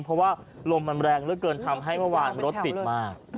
เพราะว่าลมมันแรงเหลือเกินทำให้เมื่อวานรถติดมาก